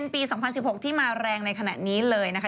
ปี๒๐๑๖ที่มาแรงในขณะนี้เลยนะคะ